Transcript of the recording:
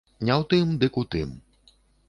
Не ў тым, дык у тым.